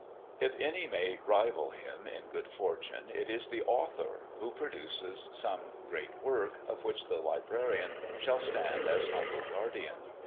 If any may rival him in good Fortune, it is the Author, who produces some great Work of which the Librarian shall stand as humble Guardian.